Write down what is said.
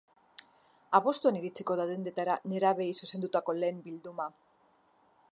Abuztuan iritsiko da dendetara nerabeei zuzendutako lehen bilduma.